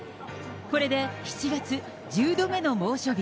これで７月１０度目の猛暑日。